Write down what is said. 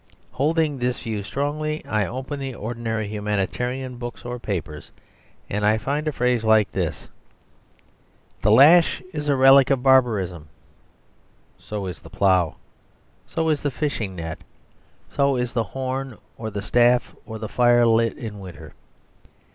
Holding this view strongly, I open the ordinary humanitarian books or papers and I find a phrase like this, "The lash is a relic of barbarism." So is the plough. So is the fishing net. So is the horn or the staff or the fire lit in winter.